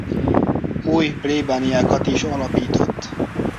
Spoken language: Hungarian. Új plébániákat is alapított.